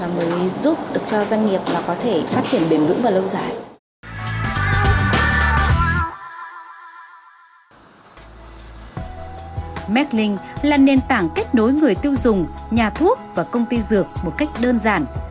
meng là nền tảng kết nối người tiêu dùng nhà thuốc và công ty dược một cách đơn giản